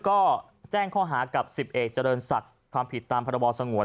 ก็แจ้งข้อหากับ๑๐เอกเจริญศักดิ์ความผิดตามพรบสงวน